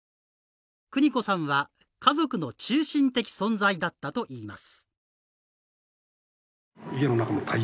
邦子さんは家族の中心的存在だったといいます。